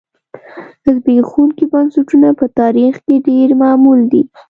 زبېښونکي بنسټونه په تاریخ کې ډېر معمول دي.